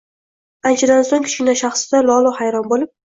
Anchadan so‘ng Kichkina shahzoda lol-u hayron bo‘lib